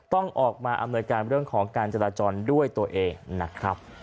ต้องออกมาอำนวยการเรื่องของการจราจรด้วยตัวเองนะครับ